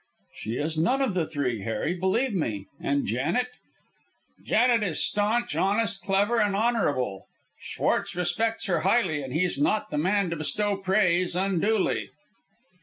"She is none of the three, Harry, believe me. And Janet?" "Janet is staunch, honest, clever and honourable. Schwartz respects her highly, and he is not the man to bestow praise unduly."